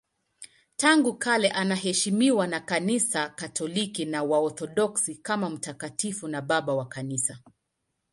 Tangu kale anaheshimiwa na Kanisa Katoliki na Waorthodoksi kama mtakatifu na babu wa Kanisa.